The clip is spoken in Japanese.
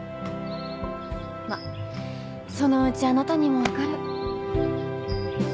まあそのうちあなたにもわかる。